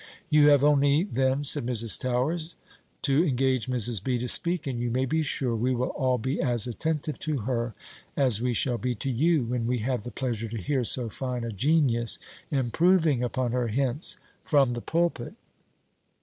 "You have only, then," said Mrs. Towers, "to engage Mrs. B. to speak, and you may be sure, we will all be as attentive to her, as we shall be to you, when we have the pleasure to hear so fine a genius improving upon her hints, from the pulpit."